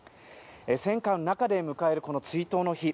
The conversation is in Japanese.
戦火の中で迎える追悼の日。